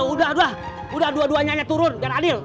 udah udah udah dua duanya aja turun biar adil